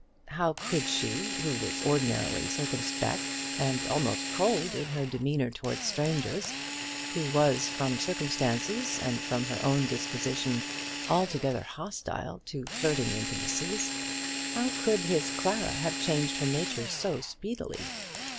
How could she, who was ordinarily circumspect, and almost cold in her demeanour towards strangers who was from circumstances and from her own disposition altogether hostile to flirting intimacies how could his Clara have changed her nature so speedily?